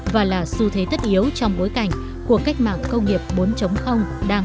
và là xu thế tất yếu trong bối cảnh của cách mạng công nghiệp bốn đang diễn ra